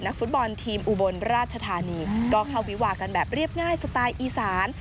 ก็เข้าวิวากันแบบเรียบง่ายสไตล์อีสาน